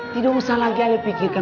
tidak usah lagi anda pikirkan